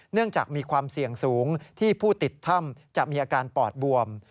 จากมีความเสี่ยงสูงที่ผู้ติดถ้ำจะมีอาการปอดบวม